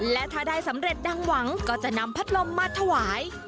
และถ้าได้สำเร็จดังหวังก็จะนำพัดลมมาถวาย